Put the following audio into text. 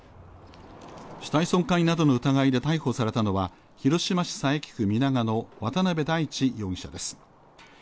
死体損壊などの疑いで逮捕されたのは、広島市佐伯区皆賀の渡部大地容疑者です。